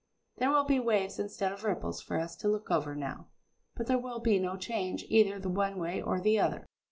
There will be waves instead of ripples for us to look over now, but there will be no change either the one way or the other."